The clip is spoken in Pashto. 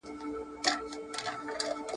عمر د سوځونې په کچه اثر کوي.